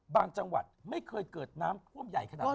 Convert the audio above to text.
จังหวัดไม่เคยเกิดน้ำท่วมใหญ่ขนาดนี้